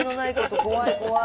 怖い怖い。